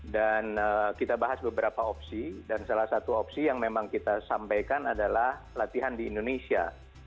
dan kita bahas beberapa opsi dan salah satu opsi yang memang kita sampaikan adalah latihan di indonesia